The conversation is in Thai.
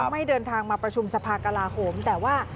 ไม่เดินทางมาประชุมสภากลาโหมแต่ว่า